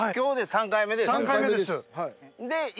３回目です。